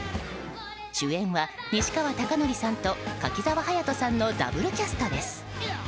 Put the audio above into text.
主演は西川貴教さんと柿澤勇人さんのダブルキャストです。